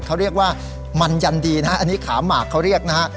เขาเรียกว่ามันยันดีนะฮะอันนี้ขาหมากเขาเรียกนะฮะ